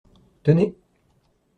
Tenez.